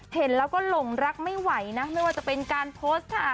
เห็นแล้วก็หลงรักไม่ไหวนะไม่ว่าจะเป็นการโพสต์ค่ะ